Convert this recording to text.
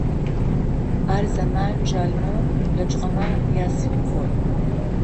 Ар зэман жъалымэу блэкӏыгъэмэ ясимвол.